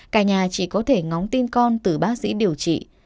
cả nhà chỉ có thể ngóng tin con từ bác sĩ điều trị